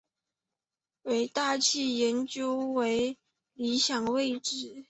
为大气研究的理想位置。